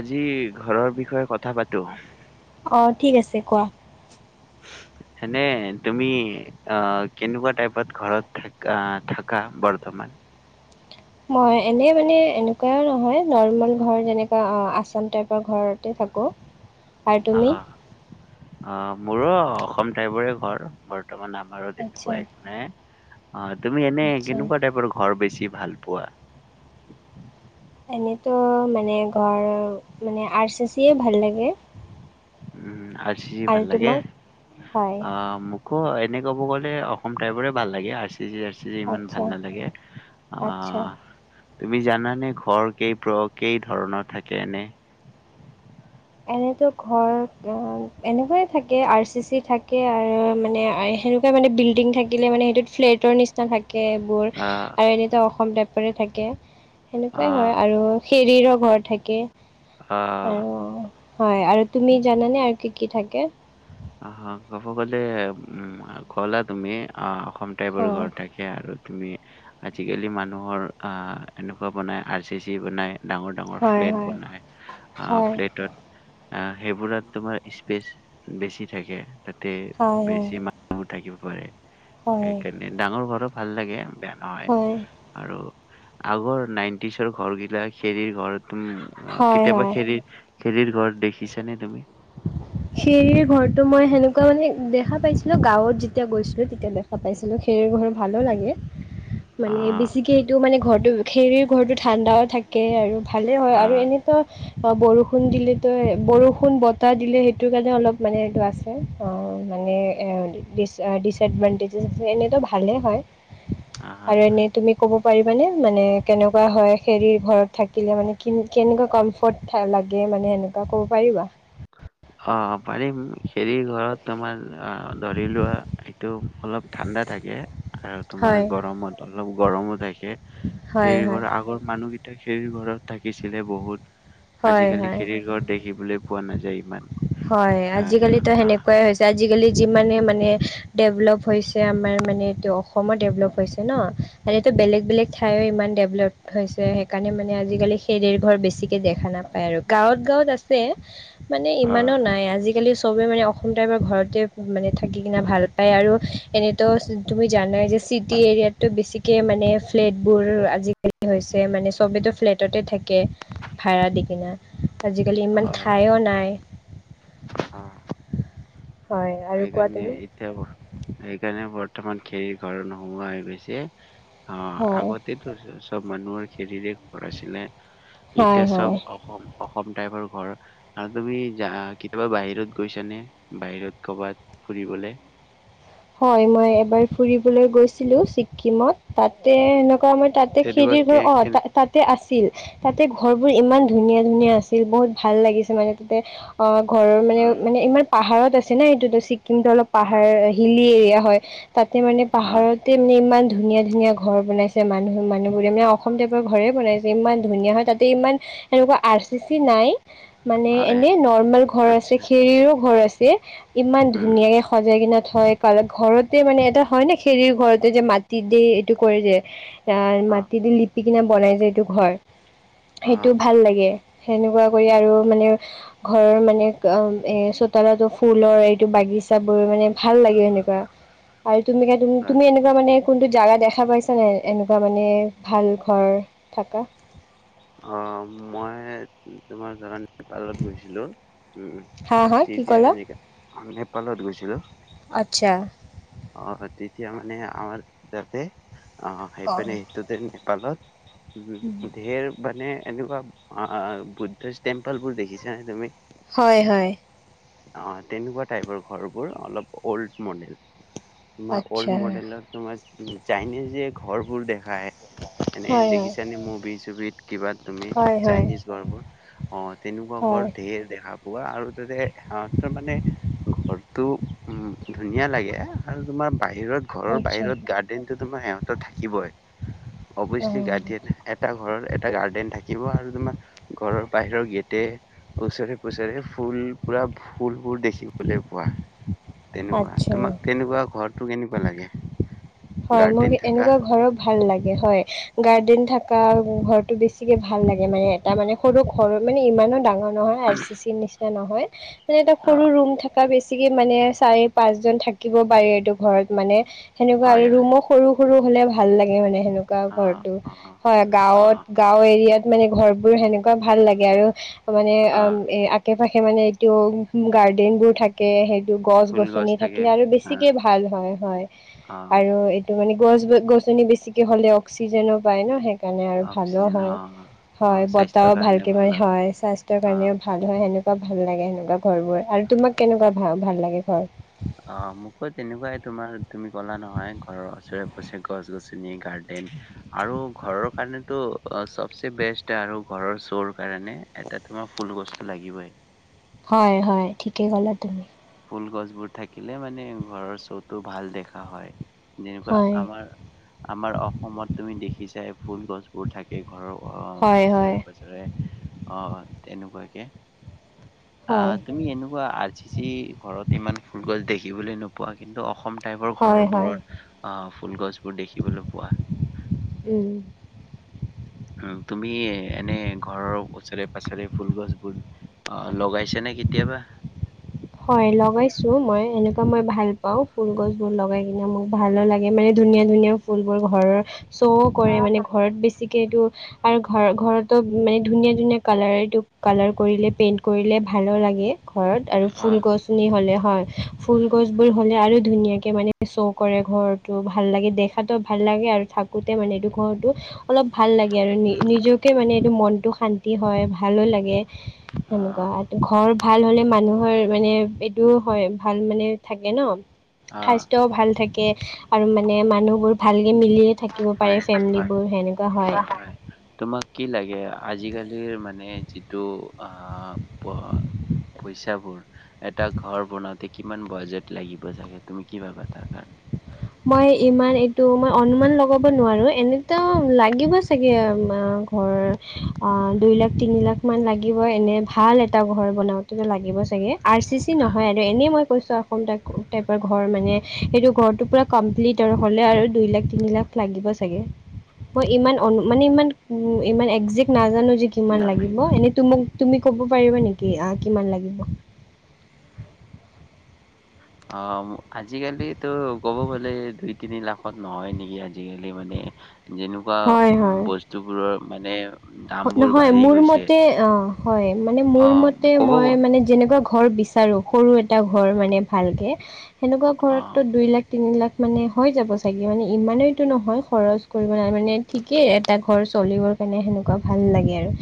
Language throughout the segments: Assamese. আজি ঘৰৰ বিষয়ে কথা পাতো। অ', ঠিক আছে কোৱা। এনে, তুমি আ, কেনেকুৱা টাইপত ঘৰত থাকা, থাকা বৰ্তমান? মই এনেই মানে এনেকুৱা নহয়, নৰ্মেল ঘৰ যেনেকুৱা আচাম টাইপৰ ঘৰতে থাকোঁ। আৰু তুমি? অ', মোৰো অসম টাইপৰে ঘৰ। বৰ্তমান আম ঘৰত আচ্ছা, তেনেকুৱা একো নাই। অ', তুমি এনে, আচ্ছা। কেনেকুৱা টাইপৰ ঘৰ বেছি ভাল পোৱা? এনেইতো মানে ঘৰ মানে, আৰ চি চিয়ে ভাল লাগে। উম, আৰ চি চি আৰু ভাল লাগে, তোমাক? অ', হয়, মোক মোকো এনে ক'ব গ'লে অসম টাইপৰে ভাল লাগে, আৰচ চিজি, আৰ্চিজি ইমান আচ্ছা, ভাল নালাগে, আ আচ্ছা। তুমি জানানে ঘৰ কেই প্ৰ, কেই ধৰণৰ থাকে এনে? এনেতো ঘৰ এনেকুৱাই থাকে, আৰ চি চি থাকে আৰু মানে সেনেকুৱাই মানে বিল্ডিং থাকিলে মানে সেইটোত ফ্লেটৰ নিচিনা থাক থাকে, এইবোৰ আহ আৰু এনেটো অসম টাইপ [unintelligible] থাকে। সেনেকুৱাই আহ হয় আৰু খেৰীৰ ঘৰ থাকে। আহ অহ। হয় আৰু তুমি জানানে আৰু কি কি থাকে? অ', কব গ'লে উম, কলা তুমি আহ কম টাইপৰ হা ঘৰ থাকে আৰু তুমি আজিকালি মানুহৰ অ, এনেকুৱা বনাই আৰ চি চি বনায় ডাঙৰ ডাঙৰ হয় ফ্লেট হয় বনায় আৰু হয় ফ্লেটত আহ সেইবোৰত তোমাৰ স্পেচ বেছি থাকে। তাতে হয় হয় বেছি মানুহ থাকিব। [unintelligible] হয় সেইকাৰণে ডাঙৰ ঘৰত ভাল লাগে। বেয়া নহয় হয় আৰু আগৰ নাইণ্টিছৰ ঘৰগিলাক খেৰীৰ ঘৰ। উম, হয় কেতিয়াবা হয় খেৰী খেৰীৰ ঘৰ দেখিছানে তুমি? খেৰীৰ ঘৰটো মই সেনেকুৱা মানে দেখা পাইছিলোঁ। গাঁৱত যেতিয়া গৈছিলোঁ তেতিয়া দেখা পাইছিলোঁ, খেৰীৰ ঘৰ ভালোঁ লাগে। মানে আহ, বেছিকে এইটো মানে ঘৰটো খেৰীৰ ঘৰটো ঠাণ্ডাও থাকে আৰু ভালেই হয় আৰু আহ, এনেইতো বা বৰষুণ দিলেতো বৰষুণ বতাহ দিলে সেই সেইটোৰ কাৰণে অলপ মানে এইটো আছে, অ', মানে এ, ডিচ ডিচএডভানটেজেছ আছে। এনেইতো ভালে হয়। আহ আৰু এনেই তুমি ক'ব পাৰিবানে মানে কেনেকুৱা হয় হেৰি ঘৰত থাকিলে মানে কি কেনেকুৱা কম্ফৰ্ট লাগে মানে এেনেকুৱা ক'ব পাৰিবা অ পাৰি। খেৰি ঘৰত তোমাৰ অ ধৰি লোৱা এইটো অলপ ঠাণ্ডা থাকে আৰু তোমাৰ হয় গৰমত অলপ গৰমত তাক কে হয় হয় সেইবৰ আগৰ মানুহেই খেৰ ঘৰত থাকিছিলে বহুত হয় আজিকালি হয় খেৰিৰ ঘৰত দেখিবলৈ পোৱা নাযায় ইমান। হয় আজিকালিতো আহ সেনেকুৱাই হৈছে। আজিকালি যিমানে মানে ডেভলপ হৈছে আমাৰ মানে এইটো অসমত ডেভলপ হৈছে ন আৰু এইটো বেলেগ বেলেগ ঠাই ইমান ডেভেলপ হৈছে সেইকাৰণে মানে আজিকালি সেৰ ঘৰ বেছিকে দেখা নাপায় আৰু গাঁৱত গাঁৱত আছে ম অ ইমানো নাই আজিকালি চবে মানে অসম টাইপাৰ ঘৰতে মানে থাকি কিনে ভাল পায় আৰু এনেতো তুমি জানাই যে চিটি এৰিয়াততো বেছিকে মানে ফ্লেটবোৰ আজিকালি হৈছে মানে চবো ফ্লেটতে থাকে ভাড়া দি কিনা আজিকালি ইমান ঠাইো নাই। অ হয় আৰু কোৱা সেইকাৰণে তুমি এতিয়া এইকাৰনে প বৰ্তমান খেৰ ঘৰ নোহোৱা হৈ গৈছে। অ হয় আগতেতো চব। মানুহৰ খেৰিৰে। ক'ত আছিলে হয় এতিয়া হয় চব অসম টাইপৰ। ঘৰ আৰু তুমি যা কেতিয়াবা বাহিৰত গৈছানে বাহিৰত ক'ৰবাত ফুৰিবলৈ। হয় মই এবাৰ ফুৰিবলৈ গৈছিলো ছিক্কিমত তাতে এেনেকুৱা ম তাতে খি তেনেকুৱা দি বোৰ কে অ কেনে তাতে আছে। ছিল তাতে ঘৰবোৰ ইমান ধুনীয়া ধুনীয়া আছিল বহুত ভাল লাগিছে মানে তাতে অ ঘৰৰ মানে হয় মানে ইমান পাহাৰত আছে না এইটোতো চিক কিন্তু অলপ পাহাৰ বুলিএৰিয়া হয়। তাতে মানে অ পাহাৰতে মানে ইমান ধুনীয়া ধুনীয়া ঘৰ বনাইছে। মানুহ মানুহবোৰে এনে অসমতে ঘৰে বনাইছে ইমান ধুনীয়া হয়, তাতে ইমান সেনেকুৱা আৰ চি চি নাই। মানে হয় এনে নৰৰ্মেল ঘৰ আছে, আচ্ছা খেৰীৰো ঘৰ আছ চে ইমান উম ধুনীয়াকে সজাই কিনে হয় কাৰ ঘৰতে মানে এটা হয় নে, খেৰীৰ ঘৰতে যে মাটি দে এইটো কৰে যে। আ, অ মাটিদি লি দি কেনে বনাই যে এইটো ঘৰ। অ সেইটো ভাল লাগে। সেনেকুৱা কৰি আৰু অ মানে ঘৰৰ মানে অ', এ চোতালতো ফুলৰ এইটো বাগিচা বোৰ মানে ভাল লাগে সেনেকুৱা, আৰু তুমি [unintelligible] হয় তুমি এনেকুৱা মানে কোনটো জাগা দেখা পাইছা নাই? এনেকুৱা মানে ভাল ঘৰ থাকা। অ', মই তোমাৰ যিমান নেপালত গৈছিলোঁ, উম হা হা কি তেতিয়া ক'লা এনেকা, অ', নেপালত গৈছিলোঁ, আচ্ছা অহ তেতিয়া মা মানে আমাৰ তাতে অ', সেই পেনে এইটো দিন নেপালত ধেৰ মানে এনেকুৱা অ', বুদ্ধিষ্ট টেম্পল বোৰ দেখিছা নে তুমি? হয় হয়। অ', তেনেকুৱা টাইপৰ ঘৰবোৰ, অলপ অল্ড ম'ডেল। তোমাৰ আচ্ছা অল্ড ম'ডেলৰ তোমাৰ, চাইনিজ যে ঘৰ বোৰ দেখ খাই, এনে হয় হয় দেখিছানে মুভি চুভিত? কিবা তুমি হয় হয় চাইনিজ ঘৰবোৰ, অ', তেনেকুৱা ঘৰ হয় ঢেৰ দেখা পোৱা আৰু তাতে সাহঁতৰ মানে ঘৰটো ধুনীয়া লাগে আৰু তোমাৰ বাহিৰত ঘৰৰ বাহিৰত গাৰ্ডেন তুমাৰ ইহঁতৰ থাকিবই অৱশ্যে গাৰ্ডেন এটা ঘৰৰ গাৰ্ডেন থাকিব আৰু তোমাৰ ঘৰৰ বাহিৰৰ গেটে ওচৰে পুজৰে ফুল পুৰা ফুলবোৰ দেখ দিবলে পোৱা তেনেকুৱা তোমাক তেনেকুৱা ঘৰো কেনেক লাগে। হয় মোক গাৰ্ডেন থাকা এনেকুৱা ঘৰৰ ভাল লাগ হয় গাৰ্ডেন থকা ঘৰটো বেছিকে ভাল লাগে মানে এটা মানে সৰু ঘৰ মানে ইমানো ডাঙৰ নহয় আৰ চি চিৰ নিচিনা নহয় [inaudible] মানে এটা অ সৰু ৰুম থাকা বেছ বেছিকে মানে চাৰি পাঁচজন থাকিব পাৰি এইটো ঘৰত মানে সেনেক হয় হয় ৰুমো সৰু সৰু হ'লে ভাল লাগে মানে। হয় অ ঘৰটো অ অ গাঁৱত গাওঁ এৰিয়া মানে ঘৰবোৰ সেনেকুৱা ভাল লাগে আৰু মানে অ উম, এ আকে পাশে কে মানে এইটো গাৰ্ডেনবোৰ থাকে সেই ফুল গছ গছ-গছনি থাকে থাকিলে আৰু অ বেছিকে ভাল হয়, হয়। অ এইটো মানে গছ-গছনি বেছিকে হ'লে অক্সিজেনো পায় ন' সে সেইকাৰণে আৰু ভালো অক্সিজেন অ হয় অ হয় স্বাস্থ্যৰ বতাহও কাৰণে ভালকৈ ভাল মান হয় স্বাস্থ্যৰ অ কাৰণেও ভাল হয় সেনেকুৱা ভাল লাগে সেনেকুৱা ঘৰবোৰ আৰু তোমাক কেনেকুৱা ভা ভাল লাগে ঘৰ? অ মোকো তেনেকুৱাই তোমাৰ তুমি ক'লা নহয় ঘৰ ওচৰে পচৰে গছ-গছনি গাৰ্ডেন আৰু ঘৰৰ কাৰণে ত' চবচে বেষ্ট আৰু ঘৰৰ শ'ৰ কাৰণে এটা তোমাৰ ফুলগছ লাগিবই। হয় হয় ঠিকে ক'লা তুমি। ফুল গছবোৰ থাকিলে মানে ঘৰৰ শ্বটো ভাল দেখা হয়। যেনেকুৱা হয় আমাৰ আমাৰ অসমত তুমি দেখিছাই। ফুল গছবোৰ থাকে ঘৰৰ অ', হয় হয় ওচৰে-পাজৰে অ', তেনেকুৱা [inaudible] হয় অহ, তুমি এনেকুৱা আৰ চি চি ঘৰত ইমান ফুলগছ দেখিবলৈ নোপোৱা কিন্তু অসম টাইপৰ হয় হয় ঘৰৰবোৰৰ অহ, ফুল গছবোৰ দেখিবলৈ পোৱা উম হম, তুমি এনে ঘৰৰ ওচৰে পাজৰে ফুলগছবোৰ অহ লগাইছানে কেতিয়াবা? হয় লগাইছো মই, এনেকুৱা মই ভাল পাওঁ, ফুলগছবোৰ লগাই কিনে মোক ভালো লাগে, মানে ধুনীয়া ধুনীয়া ফুলবোৰ ঘৰৰ শ্ব' কৰে, মানে ঘৰত বেছি কেইটো আৰু ঘৰ-ঘৰতো মানে ধুনীয়া ধুনীয়া কালাৰ এইটো, কালাৰ কৰিলে, পেইণ্ট কৰিলে ভালো লাগে ঘৰত। ফুল অ' গছনি হ'লে। হয়, ফুল গছবোৰ হ'লে আৰু ধুনীয়াকে মানে শ্ব' কৰে ঘৰটো, ভাল লাগে, দেখাতো ভাল লাগে আৰু থাকোঁতে মানে এইটো ঘৰটো অলপ ভাল লাগে আৰু নিজকে মানে এইটো মনটো শান্তি হয়, ভালো লাগে। সেনেকুৱা অ' আটো ঘৰ ভাল হ'লে মানুহৰ মানে এইটো হয়, ভাল মানে থাকে ন? অ' স্বাস্থ্যয়ও ভাল থাকে আৰু মানে মানুহবোৰ ভাল মিলিে থাকিব পাৰে হয় হয়। ফেমিলিবোৰ সেনেকুৱা হয় তোমাক কি লাগে আজিকালিৰ মানে যিটো পইচাবোৰ এটা ঘৰ বনাওঁতে কিমান বাজ লাগাগ তুমি কি ভাবা তাৰ কাৰণে মই ইমান এইটো মই অনুমান লগাব নোৱাৰো এনেতো লাগিব চাগে ঘৰ অ দুই লাখ তিনি লাখ মান লাগিব এনে ভাল এটা ঘৰ বনাওততো লাগিব চাগে আৰ চি চি আহ নহয় আৰু এনেই মই কৈছোঁ আৰু টাইপৰ ঘৰ মানে সেইটো ঘৰটো পুৰা কমপ্লিটৰ হ'লে আৰু দুই লাখ তিনি লাখ লাগিব চাগে মই ইমান অনু মানে ইমান ইমান একজেক্ট না াজানো যে তিনি কিমান লাখ লাগিব এনেই তো মোক তুমি ক'ব পাৰিবা নেকি কিমান লাগিব অ আজিকালিো ক'ব গলে দুই তিনি লাখত নহয় নেকি আজিকালি মানে যেনেকুৱা হয় উ হয় বস্তুবোৰৰ মানে দামবোৰ নহয় বাঢ়ি মোৰ গৈছে মতে অ হয় মানে অ মোৰ মতে ক'ব মই মানে যেনেকুৱা ঘৰ বিচাৰো সৰু এটা ঘৰ মানে ভালকে সেনেকুৱা অ ঘৰতো দুই লাখ তিনি লাখ মানে হৈ যাব চাগে মানে ইমানেইতটো নহয় খৰচ কৰিব মানে ঠিকেই এটা ঘৰ চলিবৰ কাৰণে সেনেকুৱা ভাল লাগে আৰু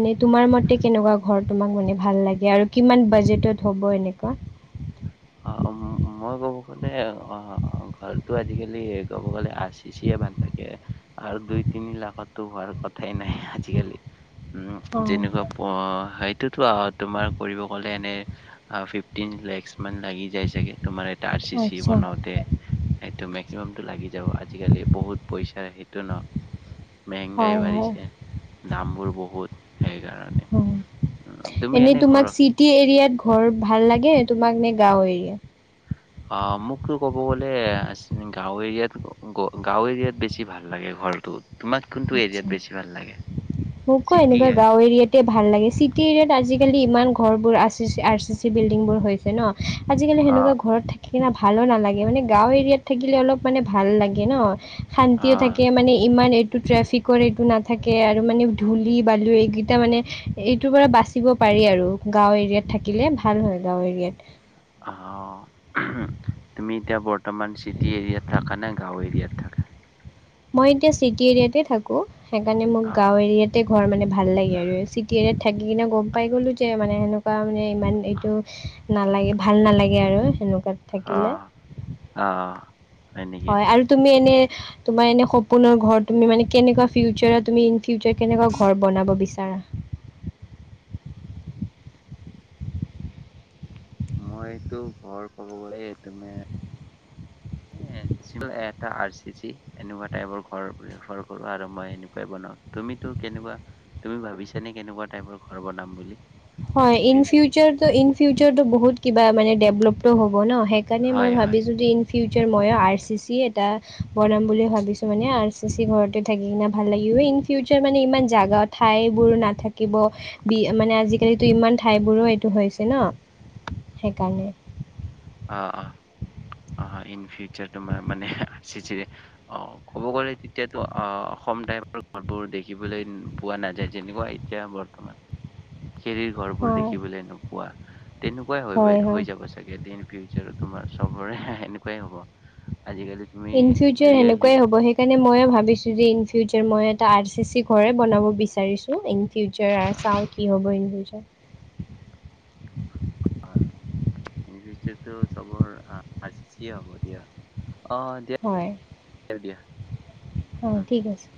এনেই তোমাৰ মতে কেনেকুৱা ঘৰ তোমাক মানে ভাল লাগে আৰু কিমান বাজেটত হ'ব এনেকুৱা অ মই ক'ব গলে অ ঘৰটোো আজিকালি ক'ব গলে আ চিচিয়ে বান্ধ থাকে আৰু দুই তিনি লাখতো হোৱাৰ কথা ঠাই নাই আজিকালি উম হয় যেনেকুৱা প হয় তুমাৰ কৰিব গলে এনে ফিফ লাগি যায় চাগে তোমাৰ এ আৰ চি চি আচ্ছা বনাওঁতে সটো মেক্সিম লাগি যাব আজিকালি বহুত পইচা সেইটো ন মেংগাই হয় হয় বাঢ়িছে দামবোৰ বহুত সেইকাৰণে হয় তুমি এনেই এনে তোমাক ঘৰ চিটি গাঁৱেে অ মোক ক'ব গ'লে গাঁও এৰিয়াত গাঁও এৰিয়াত বেছি ভাল লাগে ঘৰটোত আা মোকো চিটি এনেকুৱা অ', গাও এৰিয়াতে ভাল লাগে চিটি এৰিয়াাত আজাল আজিকালি ইমান ঘৰ বোৰ R C C R C C building বোৰ হৈছে ন আজিকালি অ', সেনেকুৱা ঘৰত থাকে ভালো নালাগে মানে গাও এৰিয়াত থাকিলে অলপ মানে ভাল লাগে ন শান্তিও থাকে মানে ইমান টো ট্ৰেফিকৰ এইটো নাথাকে আৰু মানে ধূলি বালু এইকেইটা মানে, এইটোৰ পৰা বাচিব পাৰি আৰু গাঁও এৰিয়াত থাকিলে ভাল হয়, গাঁও এৰিয়াত। অ', তুমি এতিয়া বৰ্ত বৰ্তমান চিটি এৰিয়াত থাকা নে? গাওঁ এ ইয়াত থাকা। মই এতিয়া চিটি এৰিয়াতে থাকোঁ। সেইকাৰণে মোক অ', গাঁও এৰিয়াতে ঘৰ মানে ভাল লাগে আৰু চিটি এৰিয়াত থাকি কিনে গম পাই গ'লোঁ যে, মানে সেনেকুৱা মানে ইমান এইটো নালাগে, ভাল নালাগে আৰু সেনেক অহ, অহ। হয়, আৰু তুমি এনে তোমাৰ এনে সপোনৰ ঘৰ, তুমি মানে কেনেকুৱা ফিউচাৰত, তুমি ইন ফিউচাৰ কেনেকুৱা ঘৰ বনাব বিচাৰা? মইতো ঘৰ ক'ব গ'লে, এ তুমি এ এনচ, এটা আৰ চি চি, এনেকুৱা টাইপৰ ঘৰ বোৰে ফৰ কৰা আৰু মই এনেকুৱাৱে বনাম। তুমিটো কেনেকুৱা, তুমি ভাবিছানে কেনেকুৱা টাইপৰ ঘৰ বনাম বুলি? হয় ইন ফিউচাৰটো, ইন ফিউচাৰটো বহুত কিব বা মানে ডেভলপ টো হ'ব ন? সেইকাৰণে মই হয়, হয়। ভাবি যদি ইন ফিউচাৰ ময়ো আৰ চি চি এটা বনাম বুলি ভাবিছোঁ মানে, আৰ চি চি ঘৰতে থাকি কিনে ভাল লাগিব, ইন ফিউচাৰ মানে ইমান জাগা, ঠাইবোৰ নাথাকিব বি মানে আজি কালিতো ইমান ঠাইবোৰো এইটো হৈছে ন? সেইকাৰণে। অ', অ', অ', ইন ফিউ চাৰ তোমাৰ মানে আৰচিচি ৰে অহ, ক'ব গ'লে তেতিয়াতো অহ অসম টাইপৰ ঘৰবোৰ দেখিবলৈ পোৱা নাযায়, যেনেকুৱা এতিয়া বৰ্তমান খেৰীৰ ঘৰবোৰ হয় দেখিবলৈ নোপোৱা। তেনেকুৱাই হৈ গৈ, হয় হয় হৈ যাব চাগে দে। ফিউচাৰত তোমাৰ চবৰে এনেকুৱাই হ'ব। আজিকালি তুমি ইন ফিউচাৰ ৰিয়েলি সেনেকুৱাই হ'ব, সেইকাৰণে ময়ো ভাবিছোঁ যে, ইনফিউ ফিউচাৰ মই এটা আৰ চি চি ঘৰে বনাব বিচাৰিছোঁ, ইন ফিউচাৰ আৰ চাও কি হ'ব ইন ফিউচা [unintelligible] হ'ব দিয়া। অ', দিয়া, দিয়া অ', উম ঠিক আছে।